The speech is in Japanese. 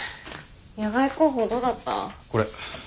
野外航法どうだった？